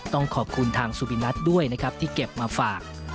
ต้องขอบคุณทางสุบินัทด้วยนะครับที่เก็บมาฝาก